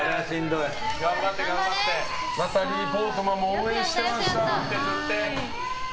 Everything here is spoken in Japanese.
ナタリー・ポートマンも応援してました。